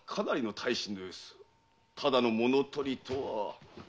ただの物盗りとは。